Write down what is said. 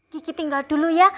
gigi tinggal dulu ya